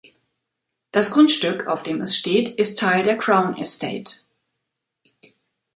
Das Grundstück, auf dem es steht, ist Teil der Crown Estate.